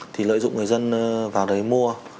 thì lợi dụng người dân vào đấy mua